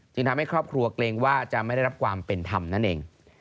ทำให้ครอบครัวเกรงว่าจะไม่ได้รับความเป็นธรรมนั่นเอง